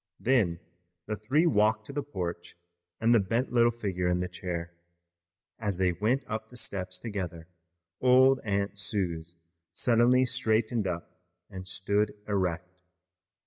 Then the three walked to the porch and the bent little figure in the chair. As they went up the steps together old Aunt Suse suddenly straightened up and stood erect.